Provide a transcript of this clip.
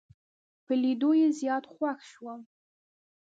په لیدو یې زیات خوښ شوم.